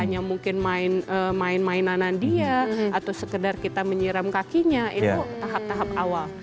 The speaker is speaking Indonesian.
atau kita main mainan dia atau sekedar kita menyiram kakinya itu tahap tahap awal